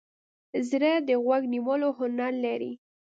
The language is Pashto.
زړه د غوږ نیولو هنر لري.